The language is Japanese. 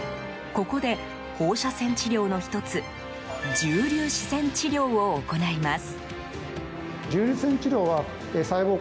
ここで、放射線治療の１つ重粒子線治療を行います。